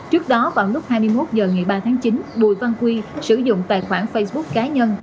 trước đó vào lúc hai mươi một h ngày ba tháng chín bùi văn quy sử dụng tài khoản facebook cá nhân